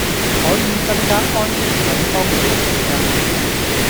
可以增加安全感幫助入睡架